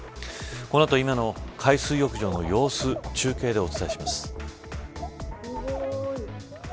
この後、今の海水浴場の様子中継でお伝えします。